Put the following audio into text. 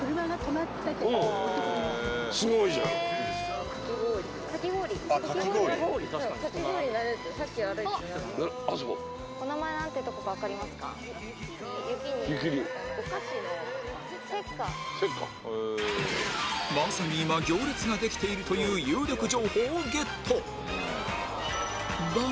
まさに今行列ができているという有力情報をゲット